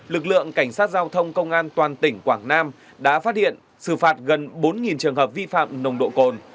lực lượng cảnh sát giao thông công an toàn tỉnh quảng nam đã phát hiện xử phạt gần bốn trường hợp vi phạm nồng độ cồn